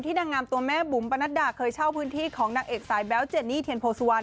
นางงามตัวแม่บุ๋มปนัดดาเคยเช่าพื้นที่ของนางเอกสายแบ๊วเจนี่เทียนโพสุวรรณ